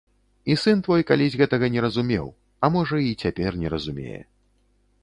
І сын твой калісь гэтага не разумеў, а можа, і цяпер не разумее.